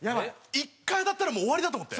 １回当たったらもう終わりだと思って。